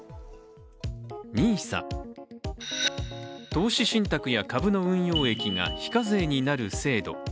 ＮＩＳＡ、投資信託や株の運用益が非課税になる制度。